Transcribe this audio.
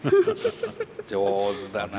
上手だなあ。